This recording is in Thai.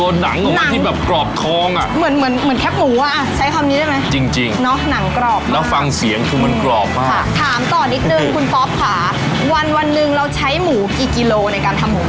วันนึงเราใช้หมูกี่กิโลในการทำหมูกรอบ